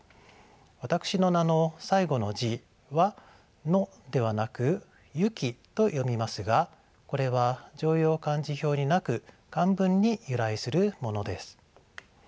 私の名の最後の字は「の」ではなく「ゆき」と読みますがこれは常用漢字表になく漢文に由来するものです。